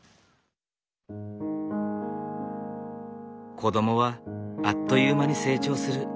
子供はあっという間に成長する。